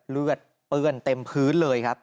เลือดเปื้อนเต็มพื้นเลยครับ